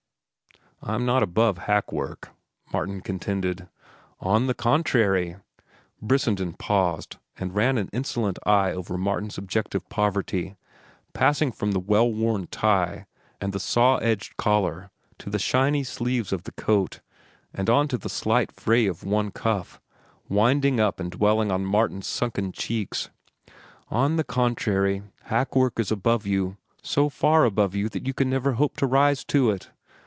"I'm not above hack work," Martin contended. "On the contrary—" Brissenden paused and ran an insolent eye over Martin's objective poverty, passing from the well worn tie and the saw edged collar to the shiny sleeves of the coat and on to the slight fray of one cuff, winding up and dwelling upon Martin's sunken cheeks. "On the contrary, hack work is above you, so far above you that you can never hope to rise to it.